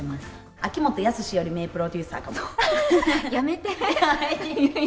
秋元康より名プロデューサーやめて。